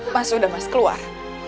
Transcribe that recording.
mas sudah mas keluar